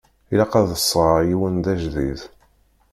Ilaq ad d-sɣeɣ yiwen d ajdid.